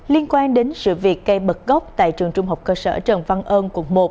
liên quan đến sự việc cây bật gốc tại trường trung học cơ sở trần văn ơn quận một